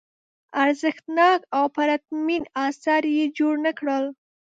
ارزښتناک او پرتمین اثار یې جوړ نه کړل.